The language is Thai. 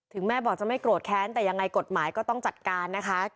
แม่บอกจะไม่โกรธแค้นแต่ยังไงกฎหมายก็ต้องจัดการนะคะ